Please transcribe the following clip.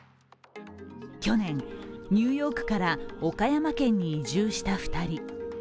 去年、ニューヨークから岡山県に移住した２人。